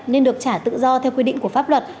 nên được trả tự do theo quy định của pháp luật